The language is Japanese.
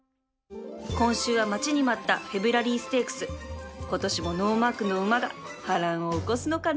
今週は待ちに待ったフェブラリーステークス今年もノーマークの馬が波乱を起こすのかな